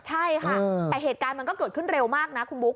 ใช่ค่ะแต่เหตุการณ์มันก็เกิดขึ้นเร็วมากนะคุณบุ๊ค